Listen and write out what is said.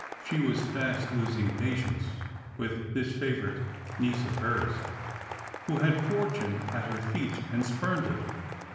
She was fast losing patience with this favourite niece of hers, who had fortune at her feet, and spurned it.